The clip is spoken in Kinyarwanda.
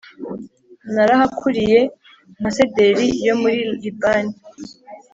Narahakuriye nka sederi yo muri Libani,